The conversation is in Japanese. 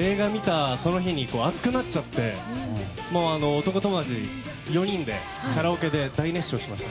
映画見たその日に熱くなっちゃって男友達４人でカラオケで大熱唱しました。